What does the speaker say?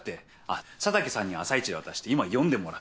あっ佐竹さんには朝一で渡して今読んでもらってる。